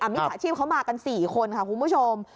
มิจฉาชีพเขามากัน๔คนค่ะคุณผู้ชม